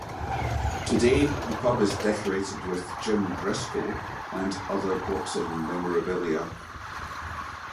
Today the pub is decorated with Jim Driscoll and other boxing memorabilia.